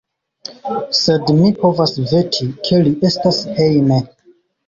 Sed mi povas veti, ke li estas hejme.